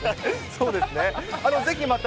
そうですね、ぜひまた、